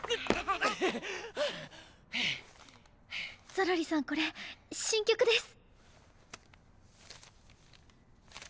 ゾロリさんこれ新曲です。